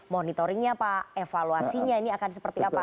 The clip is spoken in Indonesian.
monitoringnya pak evaluasinya ini akan seperti apa